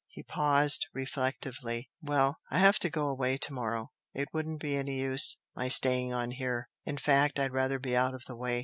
He paused, reflectively. "Well, I'll have to go away tomorrow it wouldn't be any use my staying on here. In fact, I'd rather be out of the way.